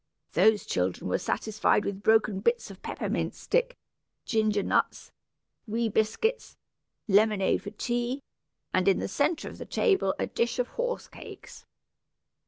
Those children were satisfied with broken bits of peppermint stick, ginger nuts, wee biscuit, lemonade for tea, and in the centre of the table a dish of horse cakes."